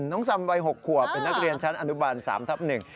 น้องสันไว้๖คัวศ์เป็นนักเรียนชั้นอนุบัญสามทับหนึ่ง